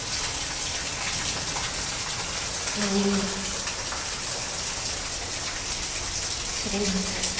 何も知りません。